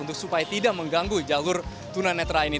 untuk supaya tidak mengganggu jalur tuna netra ya